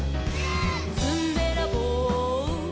「ずんべらぼう」「」